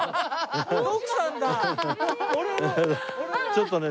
ちょっとね